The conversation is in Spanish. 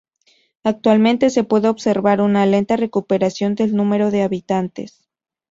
Actualmente se puede observar una lenta recuperación del número de habitantes.